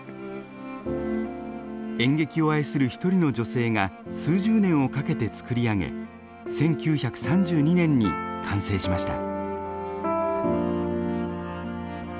演劇を愛する一人の女性が数十年をかけてつくり上げ１９３２年に完成しました。